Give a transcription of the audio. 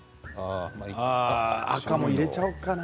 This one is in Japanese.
赤も入れちゃおうかな。